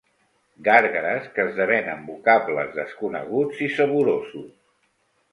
Gàrgares que esdevenen vocables desconeguts i saborosos.